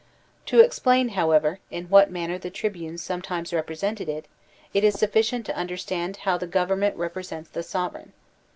To explain, however, in what manner the tribunes some times represented it, it is suflScient to understand how the government represents the sovereign.